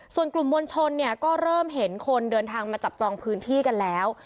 ส่วนกลุ่มมวลชนเนี่ยก็เริ่มเห็นคนเดินทางมาจับจองพื้นที่กันแล้ว